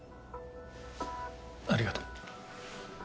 ありがとう。